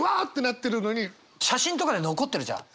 写真とかで残ってるじゃん。